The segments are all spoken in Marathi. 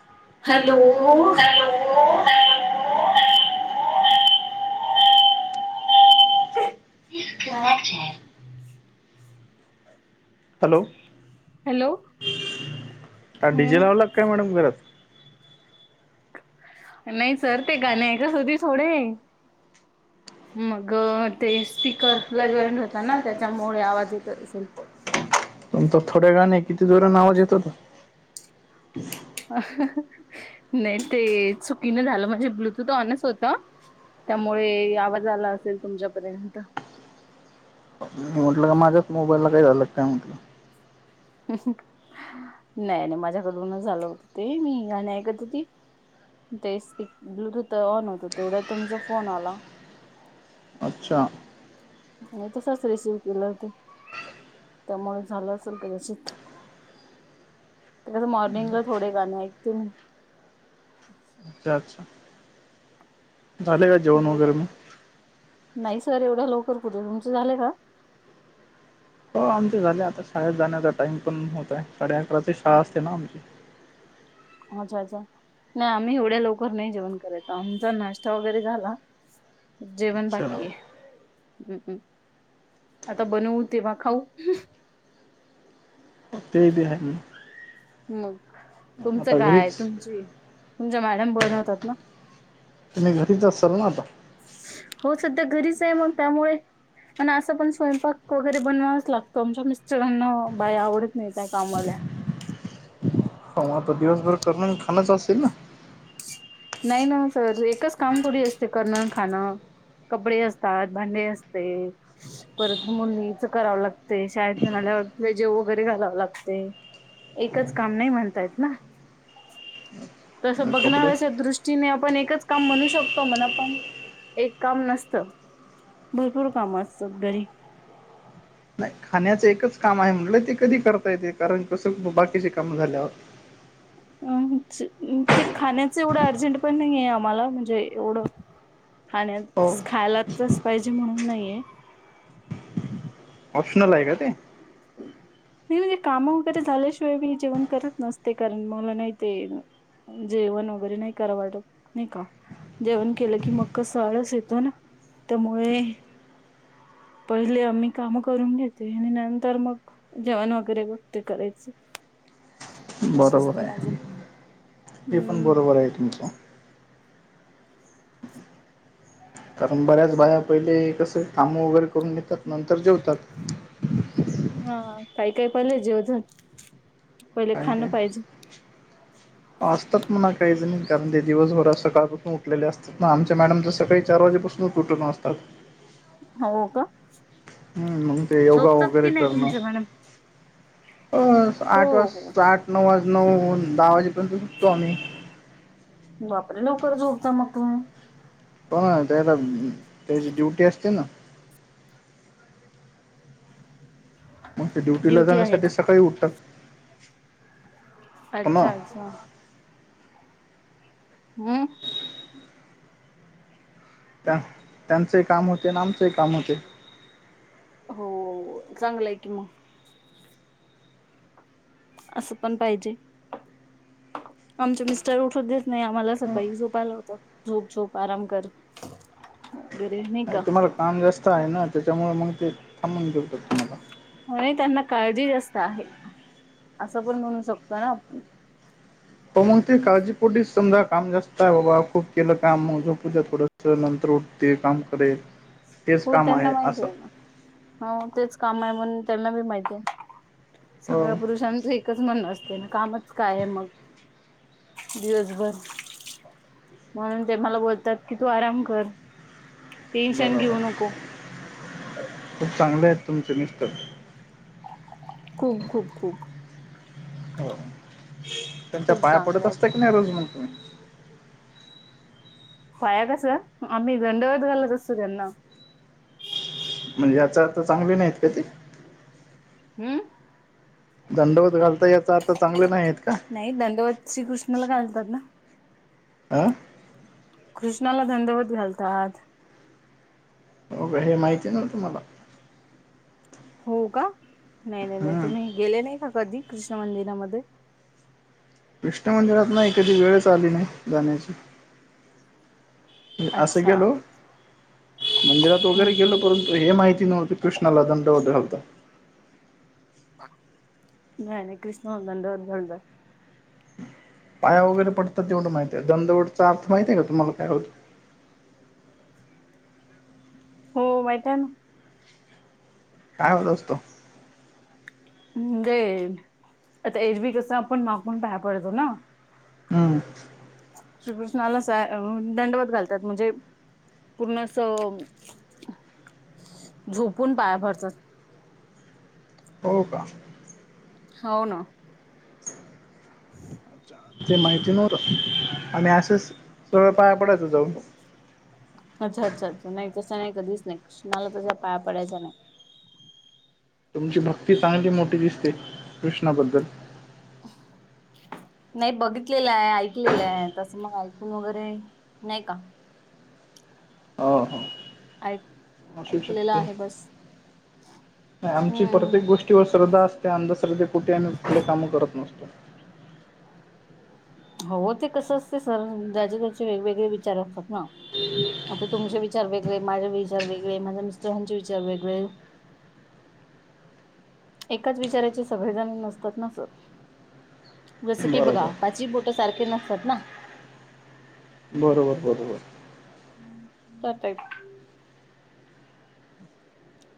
[unintelligible] हॅलो होव हॅलो हॅलो डडीजेलवलाग हम्म काय मॅडम घरात नाही सर ते गाण ये तस दी थोडे मग ते स्पीक कर ला जॉईंड होता ना त्याच्यामुळे आवाज येत असेल तुम तर थोड्या गाणे किती जोरा आवाज येतो. अ ह नाही ते चुकीन झालं म्हणजे ब्लूटूथ ऑनच होत. त्यामुळे आवाज आला असेल तुमच्यापर्यंत. मी म्हटलं का माझ्याच मोबाईलला काही झालं काय म्हटलं. नाही नाही माझ्याकडूनच झालं होत ते मी गाणी ऐकत होती. ते ब्लूटूथ ऑन होत तेवढ्या तुमचा फोन आला. अच्छा आणि तसच रिसीव केलं होते त्यामुळे झालं असेल कदाचित, मग त्यां मॉर्निंगला थोडे गाणे ऐकते मी. अच्छा अच्छा झाले का जेवण बर वगैरे मी. नाही सर एवढं लवकर कठे तुमचं झालं का. हो आमचे झाले आता शाळेत जाण्याचा टाइम पण होतय साडे अकराची शाळा असते ना आमची. अच्छा अच्छा नाही आम्ही एवढ्या लवकर नाही जेवण करायचो आमचा नाश्ता वगैरे झाला जेवण अच्छा बाकी आहेम्म् आता बनवू तेव्हा खाऊ हो ते ब आहे मग तुमचं आता काय घरीच तुमची तुमच्या मॅडम बनवतात ना तुम्ही घरीच असाल ना आता हो सध्या घरीच आहे मग त्यामुळे पण असं पण स्वयंपाक वगैरे बनवावाच लागतो आमच्या मिस्टरांना बाय आवडत नाही त्या कामाला ह आता दिवसभर करणार खाणच असेल ना नाही ना सर एकच काम की असते करणं खाणं कपडे असतात भांडे असते परत मुलीचं करावं लागते शाळेत म्हणाल्यावर जेव वगैरे घालाव लागते एकच काम नाही म्हणतायेत ना तस कपडे बघणारच च्या दृष्टीने आपण एकच काम म्हणू शकतो मण आपण एक काम नसतं भरपूर काम असतात घरी नाही खाण्याचं एकच काम आहे म्हंटलं ते कधी करता येते कारण कसं बाकीची काम झाल्या अम ते खाण्याच एवढं अर्जंट पण नाही आहे आम्हाला म्हणजे एवढं हो खाण्यात खायलाचच पाहिजे म्हणून नाहीये ऑप्शनल आहे का ते नाही म्हणजे काम वगैरे झाल्याशिवाय मी जेवण करत नसते कारण मला नाही ते जेवण वगैरे नाही कराव वाटत नाही का जेवण केलं की मक्क स आळस येतो ना त्यामुळे पहिले आम्ही काम करून घेते आणि नंतर मग जेवण वगैरे बघते करायचं असं बरोबर असतं माझं आहे हे पण हम्म बरोबर आहे तुमचं कारण बऱ्याच बाया पहिले कस काम वगैरे करून घेतात नंतर जेवतात हा काही पहिले, जेवतात पहिले काही खाणं काय पाहिजे असतात म्हणा काहीच नाही कारण ते दिवसभरात सकाळचून उठलेले असत ना आमच्या मॅडम तरर सकाळी चार वाजेपासूनच उठून असतात हो का हम्म मग ते योगा झोपतात की वगैरे नाही करणं तुमच्या मॅडम अ हो आठ वाज हो साठ नऊ वाज नऊ दहा वाजेपर्यंत सुटतो आम्ही बापरे लवकर झोपता मग तुम्ही पण त्याला त्याची ड्युटी असते ना मग ते ड्युटीला ड्युटी आहे जाण्यासाठी का सकाळी उठतात हो ना अच्छा अच्छा हम्म त्यांचेंही काम होते आणि आमचेंही काम होते हो चांगलं आहे की मग असं पण पाहिजे आमचे मिस्टर उठत देत नाही आम्हाला सकाळी झोपायला होत झोप झोप आराम कर [inaudible] वगैरे नाही का तुम्हाला काम जास्त आहे ना त्याच्यामुळे मग ते थांबवून ठेवतात ते तुम्हाला म्ह त्यांना काळजी जास्त आहे असं पण म्हणू शकतो ना आपण हो मग ते काळजीपुटीच समजा काम जास्त आहे बाबा खूप केलं काम मगो पूजा थोडं नंतर उठ ते काम करेल हेच हो काम त्यांना आहे माहिती असं ना हो तेच काम आहे म्हणून त्यांना बी माहिती आहे हो सगळ्या पुरुषांच एक एकच म्हण असते ना कामच काय आहे मग दिवसभर म्हणून ते मला बोलतात की तू आराम कर टेन्शन बरोबर घेऊ नको खूप चांगले आहेत तुमचे मिस्तर खूप खूप खूप हो त्यांच्या खूप पाया चांगलं पडत आहे असता की नाही रोज म्हणून तुम्ही पाया कसं आम्ही दंडवत घालत असतो त्यांना म्हणजे याचा आता चांगले नाहीत का ते हम् दंडवत घालता याच आता चांगले नाही आहेत का नाही दडवत श्रीकृष्णाला घालतात ना आं कृष्णाला दंडवत घालतात हे माहिती, नव्हतं मला हो का नाही नाही नाही हम्म तुम्ही गेले नाही का कधी कृष्ण मंदिरामध्ये कृष्ण मंदिरात नाही कधी वेळच आली नाही जाण्याची असं अच्छा गेलो मंदिरात वगैरे हम् गेलो परंतु हे माहिती, नव्हती कृष्णाला दंडवत घालतात नाही नाही कृष्णा, दंडवत घालतात पाया वगैरे पडत तेवढं माहित आहे दंडवत चा अर्थ माहितय का तुम्हाला काय होतं हो माहिित आहे ना काय होत असतो जे आता एरबी कसं आपण माग म्हून बाय पडतो ना हम श्रीकृष्णाला दंडवत घालतात म्हणजे पूर्ण अस झोपून पाया पडतात हो का हो ना ते माहिती नव्हत आणि असेच सगळं पाया पडायचं जाऊन अच्छा अच्छा अच्छा नाही तसं नाही कधीच नाही कृष्णाला त्याच्या पाया पडायचा नाही तुमची भक्ती चांगली मोठी दिसते कृष्णाबद्दल नाही बघितलेलं आहे ऐकलेलं आहे तसं मग ऐकून वगैरे नाही का ह ह आ असू शकते आमची प्रत्येक हम्म गोष्टी किंवा श्रद्धा असते अंधश्रद्धे कुठेम्ही आपले कामं करत नसतो हो ते कसं असते सर जच्या त्याचे वेगवेगळे विचार असतात ना आता तुमचे विचार वेगळे माझे विचार वेगळे माझ्या मिस्टरांचे विचार वेगळे एकाच विचाराचे सगळेजण नसतात नस जस की बरोबर बघा पा बोट सारखे नसतात ना बरोबर बरोबर तरत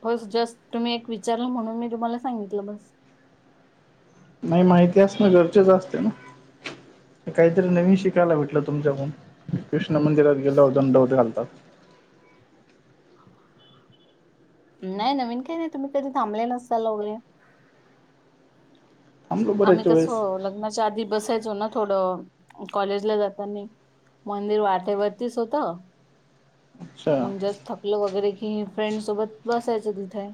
बस जस्ट तुम्ही एक विचारलं म्हणून मी तुम्हाला सांगितलं बस नाही माहिती अस ना गरचेच असते ना काहीतरी नवीन शिकायला भेटलं तुमच्याकून कृष्ण मंदिरात गेल्यावर दंडवत घालतात नाही नवीन काही नाही तुम्ही कधी थांबले नसताल वगरे थांबलो आम्ही बऱ्याच वेळेस कसं लग्नाच्या आधी बसायचो ना थोडं कॉलेजला जाताना मंदिर वाटेवरतीच होतं अच्छा अच्छा म्हणजे थकलं वगैरे कि फ्रेंड सोबत बसायचं तिथे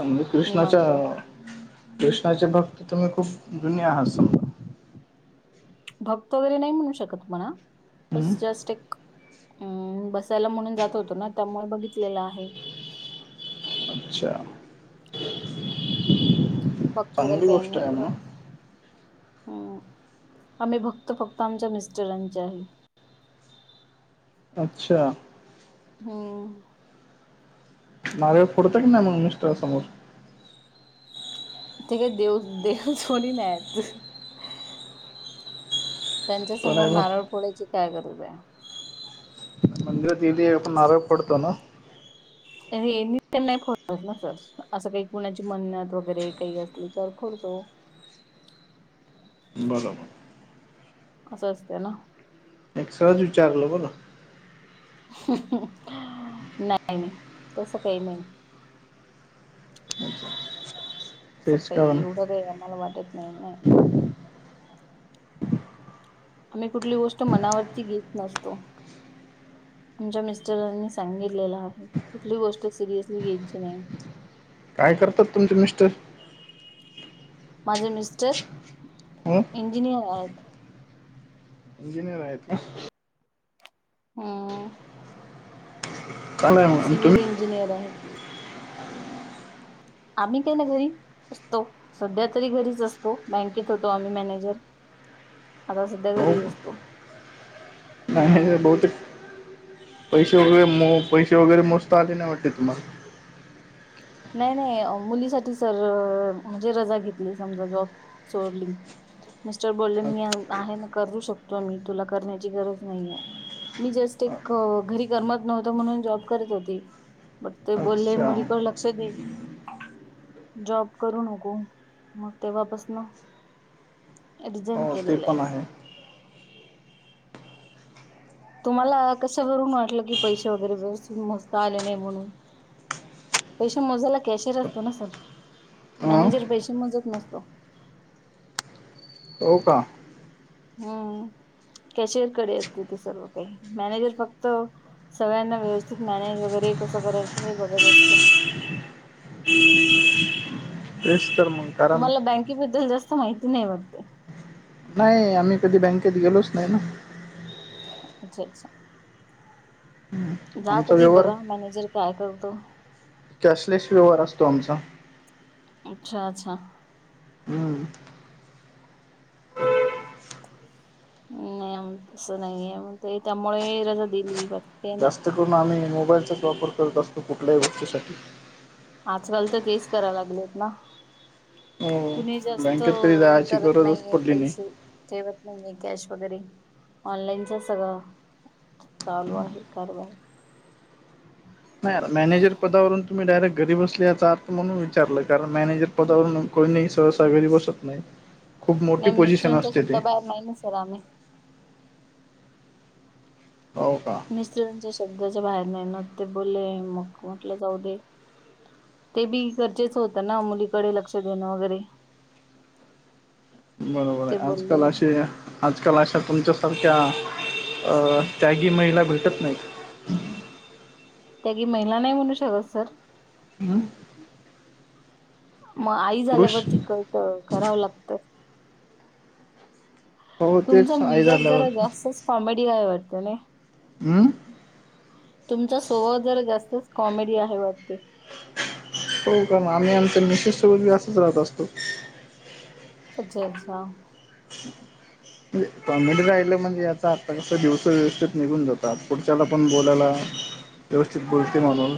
म्हजे कृष्णाच्या निवांत कृष्णाचे भक्त तुम्ही खूप जुन आहातज भक्त वगैरे नाही म्हणू शकत म्हणा हम्म. बस जस्ट एक अम् बसायला म्हणून जात होतो ना त्यामुळे बघितलेला आहे अच्छा भक्त वर चांगली काय गोष्ट नाही आहे एवड म्हणा हम् आम्ही भक्त फक्त आमच्या मिस्टरांचे आहे अच्छा हम नारळ फोडतात का नाही मग मिस्टरांसमोर ते काय देऊ देऊस होणी नाही त्यांच्या तो समोर नाही नारळ मग फोड्याची काय गरज आहे मंदिराच्या तथ आपण नारळ फोडतो ना नाही फोडत ना सर असं काही कुणाची मन्नत वगैरे काही असली तर फोडतो बरोबर असं असते ना एक सहजच विचारलं बरं नाही नाही तस काही नाही अओक असं काही एवढंच आहे आम्हाला वाटत नाही नाही आम्ही कुठली गोष्ट मनावरती घेत नसतो तुमच्या मिस्टरांनी सांगितलेलं आहे कुठली गोष्ट सिरियसली घ्यायची नाही काय करतात तुमचे मिस्टर माझे मिस्टर हो इंजिनियर आहेत इंजिनियर आहेत हम्म चांगलं आहे मग आणि सिवल तुम्ही इंजिनियर आहे आम्ही कायला घरी असतो सध्या तरी घरीच असतो बँकेत होतो आम्ही मॅनेजर आता सध्या हो घरी का? असतो नाही नाही हम्म बहुते पैसे वगैरे मो पैसे वगैरे मोस्त आली नाही वाटते तुम्हाला नाही नाही मुलीसाठी सर म्हणजे रजा घेतली समजा जॉब सोडली मिस्टर बोलले मी अ- आहे ना करू शकतो मी तुला करण्याची गरज नाही आहे मी जस्ट एक अ- घरी करमत नव्हत म्हणून जॉब करत होती. मर ते बोलले अच्छा मुलीकडडे लक्ष देईल. जॉब करू नको मग तेव्हापासून न रीझाईन हो ते केलेले. पण आहे तुम्हाला कसं करून वाटलं की पैसे वगैरे मस्त आले नाही म्हणून पैसे मोजायला कॅशर असतो ना सर हां मॅनेजर पैसे मोजत नसतो. हो हो का हम्म कॅशियर कडे असते ते सर्व काही मॅनेजर फक्त सगळ्यांना व्यवस्थित मॅनेज वगैरे कसं करायचं हे बघत असतं तेच तर मग कारण तुम्हाला बँकेबद्दल जास्त माहिती नाही वाटते नाही आम्ही कधी बँकेत गेलोच नाही ना [unintelligible] हम्म. जा आमचा कधी व्यवहार बघा मॅनेजर काय करतो. कॅशलेस व्यवहार असतो आमचा अच्छा अच्छा. हम्म. नाही तसं नाहीयण त्यामुळे रजा दिलीट. जास्त करून आम्ही मोबाईलचाच वापर करत असतो कुठल्याही गोष्टीसाठी आजकाल तर तेच करायला लागलेत ना कुणी हो जास्त बँकेत कधी हे जायची करत गरजच नाहीे पडली नाही. पैसे तेव नाही कॅश वगैरे ऑनलाईनचा सगळळा चालू आहे कारभार नाहीर मॅनेजर पदावरून तुम्ही डायरेक्ट घरी बसलेतात. म्हणून विचारलं कारण मॅनेजर पदावरून कोणी नाही सहसा घरी बसत नाही. खूप मोठी पोझिशन असते ते रामे. हो का? मिस्त्रंच्या शब्दाच्या बाहेर नाही न ते बोलले मग म्हटलं जाऊ दे. ते बी गरजेच होतं ना मुलीकडे लक्ष देणं वगैरे बरोबर आहे ते बोलले आजकाल असे. आजकाल अशा तुमच्यासारख्या अ त्यागी महिला भेटत नाहीत. त्या की महिला नाही म्हणू शकत सर हम् मग आई पुरुष झाल्यावरती क करावं लागतं. हो तुमचा तेच आई म्यझक झाल्यावर जरा जास्तच कॉमेडी काय वाटत ना. हम तुमचा सोह जर जास्तच कॉमेडी आहे वागती. हो कारण आम्ही आमच्या मिश सोबती असंच राहत असतो. अच्छा अच्छा. कॉमेडी राहिलं म्हणजे याचा आता कस दिवस व्यवस्थेत निघून जातात पुढच्याला पण बोलायला व्यवस्थित गोष्टी म्हणून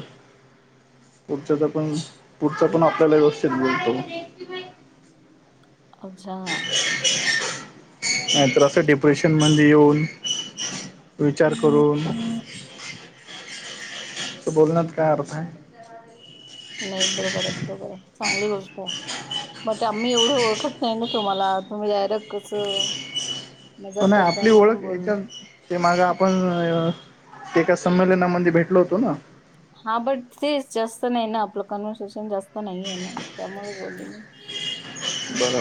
पुढच्या पण पुढचा पण आपल्याला व्यवस्थित बोलतो. हम्. अच्छा. नाहीत्रस डिप्रेशन मध्ये येऊन विचार करून [inaudible] बोलण्यात काय अर्थ आहे. नाही बरोबर आहे बरोबर आहे चांगली गोष्ट आहे. मे आम्ही एवढं ओळखत नाही ना तोम्हाला तुम्ही डायरेक्ट कसं? मजा पण करताय आपली म्हणून ओळख बोललो याच्या ते मागा आपण एका संमेलनामध्ये भेटलो होतो ना. हा बट तेच जास्त नाही ना आपलं कन्व्हर्सेशन जास्त नाही आहेे ना त्यामुळे बोल मी बरोबर